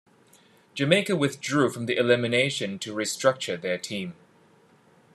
Jamaica withdrew from the elimination to restructure their team.